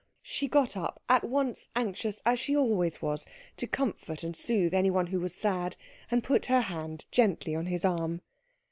She got up, at once anxious, as she always was, to comfort and soothe anyone who was sad, and put her hand gently on his arm.